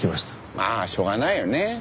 まあしょうがないよね。